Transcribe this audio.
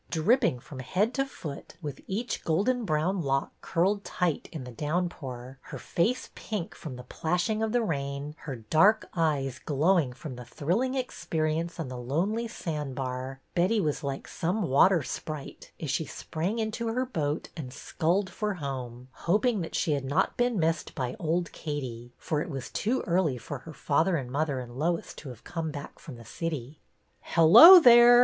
Dripping from head to foot, with each golden brown lock curled tight in the downpour, her face pink from the plashing of the rain, her dark eyes glowing from the thrilling experience on the lonely sandbar, Betty was like some water sprite as she sprang into her boat and sculled for home, hoping that she had not been missed by old Katie, for it was too early for her father and mother and Lois to have come back from the city. REGRET'' 157 '' Hello, there